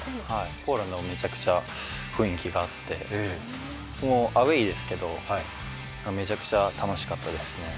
ポーランド、めちゃくちゃ雰囲気があってアウェーですけど、めちゃくちゃ楽しかったですね。